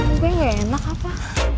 gue gak enak apa